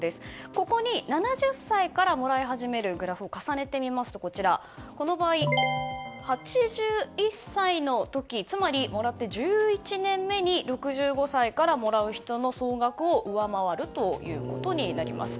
ここに７０歳からもらい始めるグラフを重ねてみますとこの場合、８１歳の時つまり、もらって１１年目に６５歳からもらう人の総額を上回ることになります。